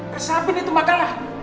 kesehatan itu makalah